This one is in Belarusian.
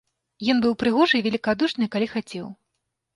Ён быў прыгожы і велікадушны, калі хацеў.